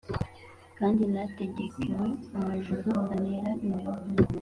kandi nategekewe amajoro antera imiruho